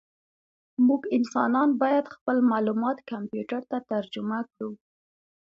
موږ انسانان باید خپل معلومات کمپیوټر ته ترجمه کړو.